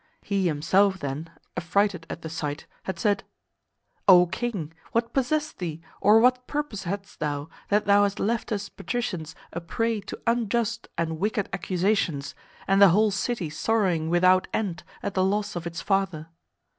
He himself, then, affrighted at the sight, had said: " O King, what possessed thee, or what purpose hadst thou, that thou hast left us patricians a prey to unjust and wicked accusations, and the whole city sorrowing without end at the loss of its father?